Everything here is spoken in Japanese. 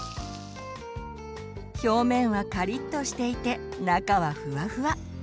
表面はカリッとしていて中はふわふわ。